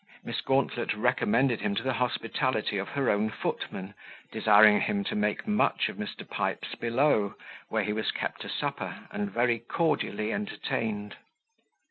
Miss Gauntlet recommended him to the hospitality of her own footman, desiring him to make much of Mr. Pipes below, where he was kept to supper, and very cordially entertained.